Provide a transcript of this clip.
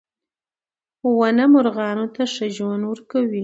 • ونه مرغانو ته ښه ژوند ورکوي.